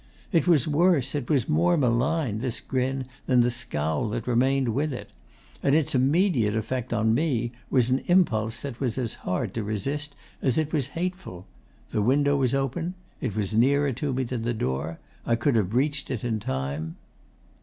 It was worse, it was more malign, this grin, than the scowl that remained with it; and its immediate effect on me was an impulse that was as hard to resist as it was hateful. The window was open. It was nearer to me than the door. I could have reached it in time....